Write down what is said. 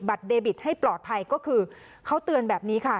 เดบิตให้ปลอดภัยก็คือเขาเตือนแบบนี้ค่ะ